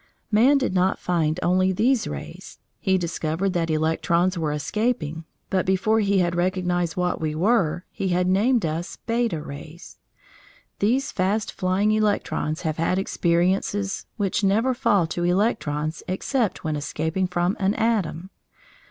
Man did not find only these rays he discovered that electrons were escaping, but before he had recognised what we were, he had named us beta rays. These fast flying electrons have had experiences which never fall to electrons except when escaping from an atom.